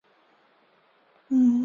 所以就是个工具人嘛